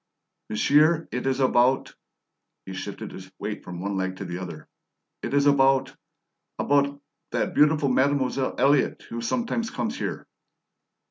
"Monsieur, it is about" he shifted his weight from one leg to the other "it is about about that beautiful Mademoiselle Elliott who sometimes comes here."